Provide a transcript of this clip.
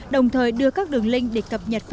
đồng thời đưa các đường linh để cập nhật